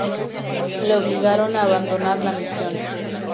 Le obligaron a abandonar la misión.